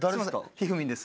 ひふみんです。